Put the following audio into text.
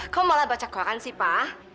kok malah baca quran sih pa